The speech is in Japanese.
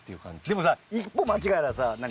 でもさ一歩間違えればさ何？